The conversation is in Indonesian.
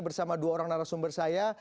bersama dua orang narasumber saya